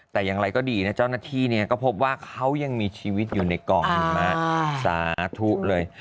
แต่อย่างไรก็ดีนะเจ้าหน้าที่เนี่ยก็พบว่าเขายังมีชีวิตอยู่ในกองอยู่มากสาธุเลย